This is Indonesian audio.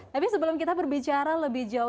tapi sebelum kita berbicara lebih jauh